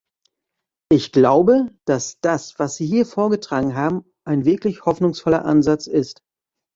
Ich glaube, dass das, was Sie hier vorgetragen haben, ein wirklich hoffnungsvoller Ansatz ist.